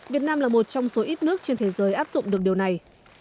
việt nam là một trong số ít nước trên thế giới áp dụng được điều này